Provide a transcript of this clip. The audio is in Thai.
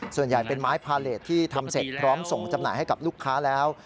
ส่วนใหญ่เป็นไม้พาเลสที่ทำเสร็จพร้อมส่งจำหน่ายให้กับลูกค้าแล้ว